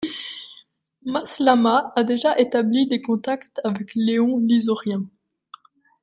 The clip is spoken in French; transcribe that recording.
Maslamah a déjà établi des contacts avec Léon l'Isaurien.